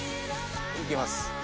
いきます。